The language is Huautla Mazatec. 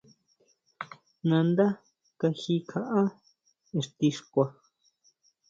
Nandá kaji kjaʼá ixti xkua.